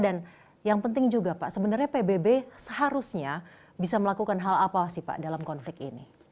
dan yang penting juga pak sebenarnya pbb seharusnya bisa melakukan hal apa sih pak dalam konflik ini